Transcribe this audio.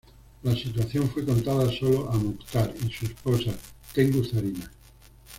La situación fue contada solo a Mokhtar y su esposa, Tengku Zarina.